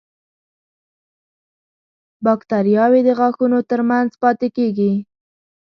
باکتریاوې د غاښونو تر منځ پاتې کېږي.